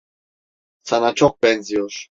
Sana çok benziyor.